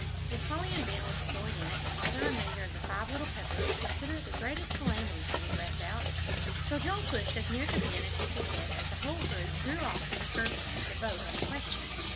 If Polly and Ben were to join in it, all the remainder of the "Five Little Peppers" would consider it the greatest calamity to be left out, so Joel pushed as near to Ben as he could get as the whole group drew off to the curbstone to vote on the question.